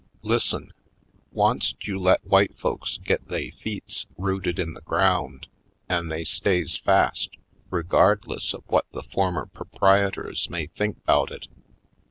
"Lis'sen: Once't you let w'ite folks git they feets rooted in the ground an' they stays fast, reguardless of v^hut the former perprietors may think 'bout it.